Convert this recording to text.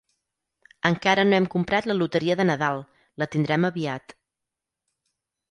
Encara no hem comprat la loteria de Nadal, la tindrem aviat.